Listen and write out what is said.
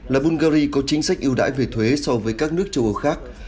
là bulgari có chính sách yêu đải về thuế so với các nước châu âu khác